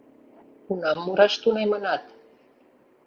— Кунам мураш тунемынат?